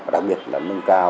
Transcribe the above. đặc biệt là nâng cao